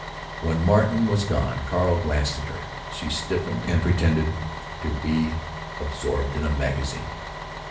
When Martin was gone Carl glanced at her. She stiffened and pretended to be absorbed in a magazine.